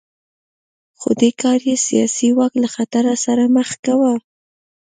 خو دې کار یې سیاسي واک له خطر سره مخ کاوه